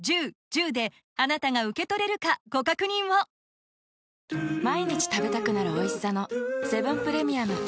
その理由は毎日食べたくなる美味しさのセブンプレミアム。